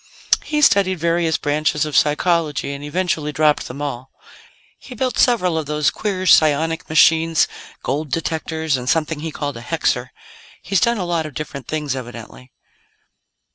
He studied various branches of psychology, and eventually dropped them all. He built several of those queer psionic machines gold detectors, and something he called a hexer. He's done a lot of different things, evidently."